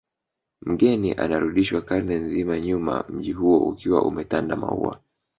Mgeni anarudishwa karne nzima nyuma mji huo ukiwa umetanda maua